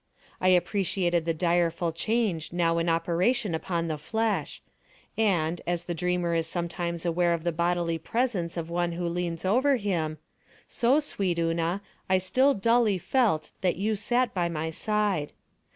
I appreciated the direful change now in operation upon the flesh, and, as the dreamer is sometimes aware of the bodily presence of one who leans over him, so, sweet Una, I still dully felt that you sat by my side.